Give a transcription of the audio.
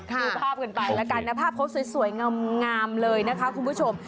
คุณผู้ชมดูภาพกันไปแล้วกันนะภาพเขาสวยสวยงำงามเลยนะคะคุณผู้ชม